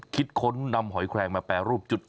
ค้นนำหอยแคลงมาแปรรูปจุด